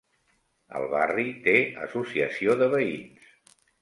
El barri té associació de veïns.